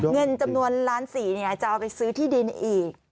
เงินจำนวน๑๔๐๐๐๐๐บาทจะเอาไปซื้อที่ดินอีก